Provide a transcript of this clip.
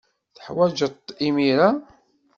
Teḥwajeḍ-t imir-a?